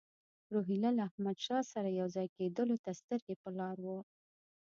روهیله له احمدشاه سره یو ځای کېدلو ته سترګې په لار وو.